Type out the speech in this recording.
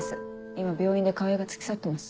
今病院で川合が付き添ってます。